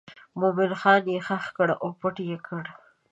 مومن خان یې ښخ کړ او پټ یې کړ.